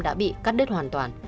đã bị cắt đứt hoàn toàn